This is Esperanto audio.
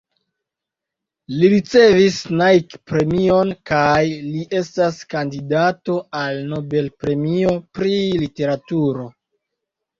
Li ricevis Nike-premion kaj li estas kandidato al Nobel-premio pri literaturo.